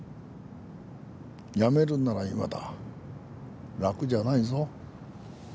やめるんなら今だ楽じゃないぞ。